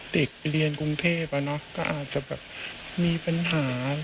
เด็กเรียนกรุงเทพก็อาจจะแบบมีปัญหา